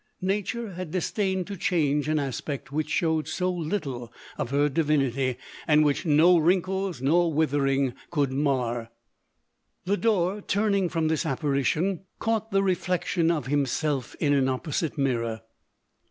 Nature had disdained to change an aspect which showed so little of her divinity, and which no wrinkles nor withering could mar. Lodore, turning from this apparition, caught the reflec tion of himself in an opposite mirror.